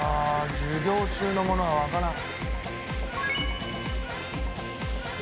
授業中のものはわからん。